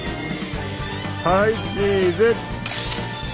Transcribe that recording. はいチーズ！